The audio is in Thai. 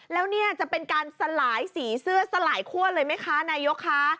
แล้วเนี่ยจะเป็นการสลายสีเสื้อสลายคั่วเลยไหมคะนายกคะ